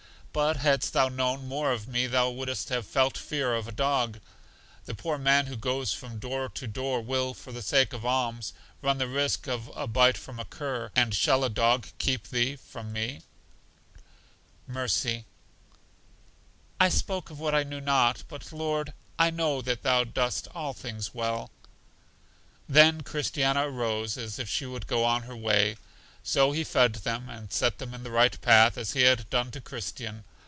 But hadst thou known more of me thou wouldst not have felt fear of a dog. The poor man who goes from door to door will, for the sake of alms, run the risk of a bite from a cur; and shall a dog keep thee from me? Mercy: I spoke of what I knew not; but, Lord, I know that Thou dost all things well. Then Christiana rose as if she would go on her way. So He fed them, and set them in the right path, as He had done to Christian.